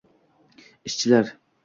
ishchilar